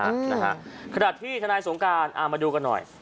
ส่วนถ้าที่ทนายสงการมาดูกันหน่อย